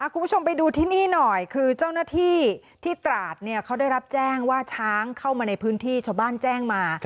คุณผู้ชมไปดูที่นี่หน่อยคือเจ้าหน้าที่ที่ตราดเขาได้รับแจ้งว่าช้างเข้ามาในพื้นที่ชาวบ้านแจ้งมา